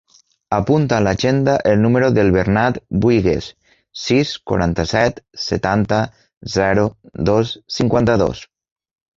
Apunta a l'agenda el número del Bernat Buigues: sis, quaranta-set, setanta, zero, dos, cinquanta-dos.